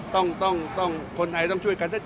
คนไทยต้องช่วยกัน